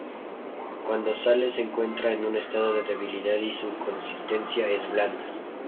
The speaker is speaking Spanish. Cuando sale se encuentra en un estado de debilidad y su consistencia es blanda.